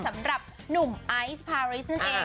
สำหรับหนุ่มไอซ์พาริสนั่นเอง